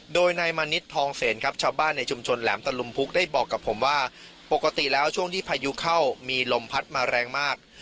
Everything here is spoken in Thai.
โดยนายมณิชทองเสนครับชาวบ้านในชุมชนแหลมตะลุมพุกได้บอกกับผมว่าปกติแล้วช่วงที่พายุเข้ามีลมพัดมาแรงมาก